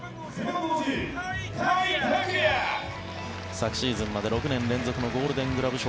昨シーズンまで６年連続のゴールデングラブ賞。